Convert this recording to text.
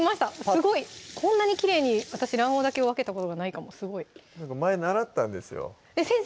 すごいこんなにきれいに私卵黄だけ分けたことがないかも前習ったんですよ